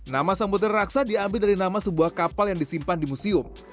nama sambutan raksa diambil dari nama sebuah kapal yang disimpan di museum